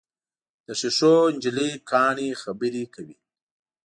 د ښیښو نجلۍ کاڼي خبرې کوي.